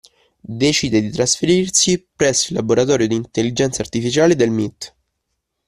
Decide di trasferirsi presso il laboratorio di Intelligenza Artificiale del M.I.T.